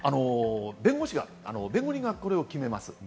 弁護人がこれを決めます。